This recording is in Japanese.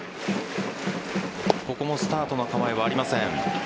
ここもスタートの構えはありません。